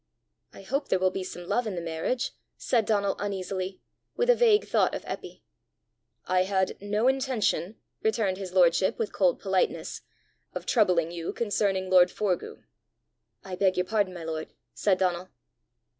"I hope there will be some love in the marriage!" said Donal uneasily, with a vague thought of Eppy. "I had no intention," returned his lordship with cold politeness, "of troubling you concerning lord Forgue!" "I beg your pardon, my lord," said Donal.